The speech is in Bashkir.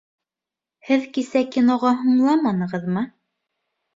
Һеҙ кисә киноға һуңламанығыҙмы?